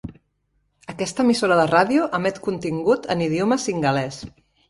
Aquesta emissora de ràdio emet contingut en idioma singalès.